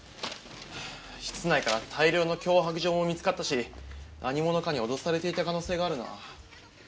室内から大量の脅迫状も見つかったし何者かに脅されていた可能性があるな。